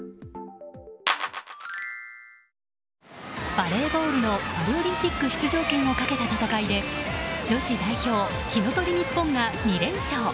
バレーボールのパリオリンピック出場権をかけた戦いで女子代表火の鳥ＮＩＰＰＯＮが２連勝。